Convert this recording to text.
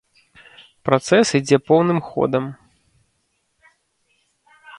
Працэс ідзе поўным ходам.